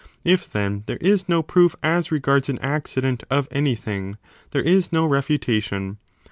If, then, there is no proof as regards an accident of anything, there is no refutation.